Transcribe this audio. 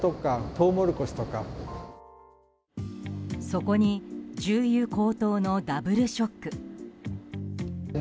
そこに、重油高騰のダブルショック。